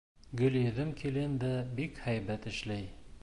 Гөлйөҙөм килен дә бик һәйбәт эшләй.